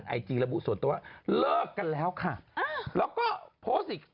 นี่ออกมาโปสต์ข้อความชี้แจ้ง